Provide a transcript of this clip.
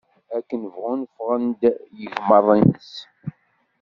Akken bɣun ffɣen-d yigemmaḍ-ines.